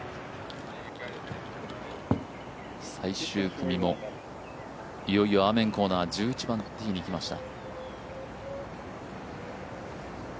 最終組もいよいよアーメンコーナー１１番ティーに来ました。